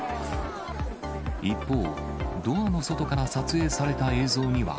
一方、ドアの外から撮影された映像には、